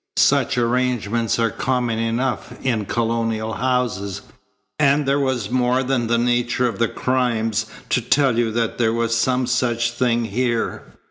Such arrangements are common enough in colonial houses, and there was more than the nature of the crimes to tell you there was some such thing here.